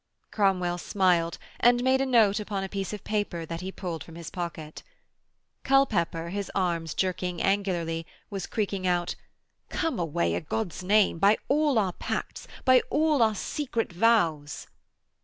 Cromwell smiled, and made a note upon a piece of paper that he pulled from his pocket. Culpepper, his arms jerking angularly, was creaking out: 'Come away, a' God's name. By all our pacts. By all our secret vows.'